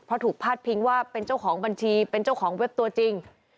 เพราะถูกพาดพิงว่าเป็นเจ้าของบัญชีเป็นเจ้าของเว็บตัวจริง